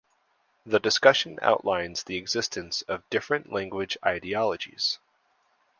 The discussion outlines the existence of different language ideologies.